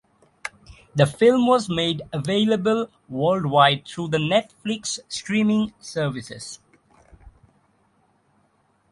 The film was made available worldwide through the Netflix streaming services.